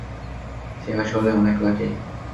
সে আসলেই অনেক লাকী!